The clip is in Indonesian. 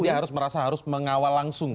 jadi dia harus merasa harus mengawal langsung